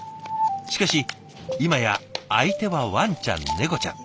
しかし今や相手はワンちゃんネコちゃん。